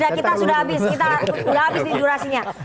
kita sudah habis nih durasinya